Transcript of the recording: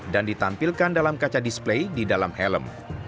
dan ditampilkan dalam kaca display di dalam helm